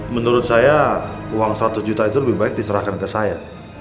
menurut saya uang seratus juta itu lebih baik diserahkan ke saya